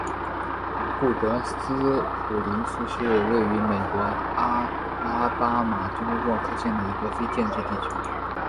古德斯普林斯是位于美国阿拉巴马州沃克县的一个非建制地区。